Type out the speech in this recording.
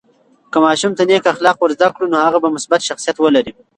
که ماشوم ته نیک اخلاق ورزده کړو، نو هغه به مثبت شخصیت ولري.